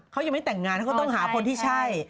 เขายังไม่แต่งงานเขาก็ต้องหาคนที่ใช่